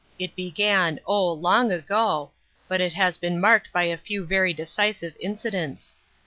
It began, oh ! long ago, but it has been marked by a few very decisive incidents.